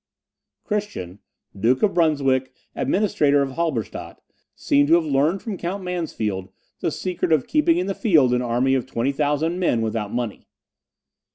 Christian, Duke of Brunswick, administrator of Halberstadt, seemed to have learnt from Count Mansfeld the secret of keeping in the field an army of 20,000 men without money.